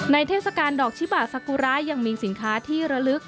เทศกาลดอกชิบาสกุระยังมีสินค้าที่ระลึก